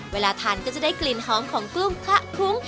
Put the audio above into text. เวลาทานก็จะได้กลิ่นหอมของกุ้งคะคลุ้ง